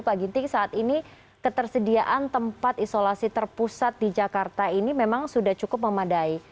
pak ginting saat ini ketersediaan tempat isolasi terpusat di jakarta ini memang sudah cukup memadai